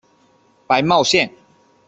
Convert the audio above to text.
白茂线